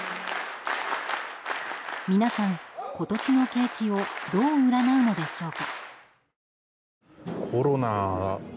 皆さん、今年の景気をどう占うのでしょうか。